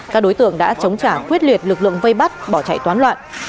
các đối tượng đã chống trả quyết liệt lực lượng vây bắt bỏ chạy toán loạn